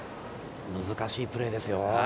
難しいプレーですよ。